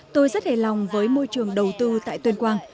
tôi rất hề lòng với môi trường đầu tư tại tuyên quang